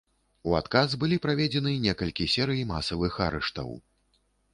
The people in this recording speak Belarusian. У адказ былі праведзены некалькі серый масавых арыштаў.